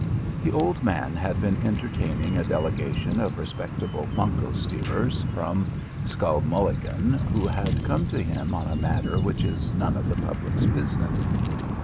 The old man had been entertaining a delegation of respectable bunco steerers from Skowmulligan who had come to him on a matter which is none of the public's business.